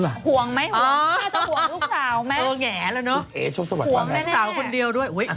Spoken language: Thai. อยากจะห่วงลูกสาวไหม